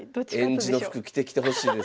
えんじの服着てきてほしいです。